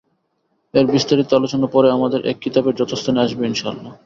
এর বিস্তারিত আলোচনা পরে আমাদের এ কিতাবের যথাস্থানে আসবে ইনশাআল্লাহ।